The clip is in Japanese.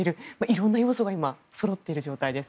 色んな要素が今、そろっている状態です。